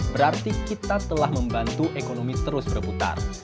berarti kita telah membantu ekonomi terus berputar